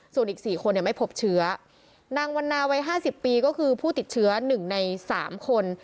ส่วนอีก๔คนไม่พบเชื้อนางวันนาวัย๕๐ปีก็คือผู้ติดเชื้อ๑ใน๓คน